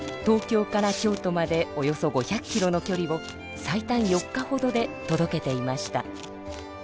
東京から京都までおよそ５００キロのきょりを最短４日ほどでとどけていました。